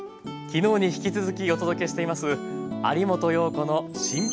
昨日に引き続きお届けしています有元さん